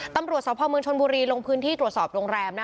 ตำรวจสพเมืองชนบุรีลงพื้นที่ตรวจสอบโรงแรม